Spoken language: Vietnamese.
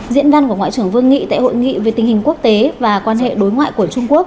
diễn văn của ngoại trưởng vương nghị tại hội nghị về tình hình quốc tế và quan hệ đối ngoại của trung quốc